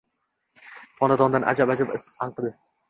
Xonadondan ajab-ajab is anqidi.